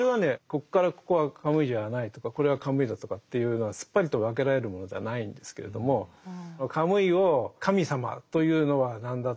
ここからここはカムイじゃないとかこれはカムイだとかっていうのはすっぱりと分けられるものではないんですけれどもカムイを「神様」というのはなんだと。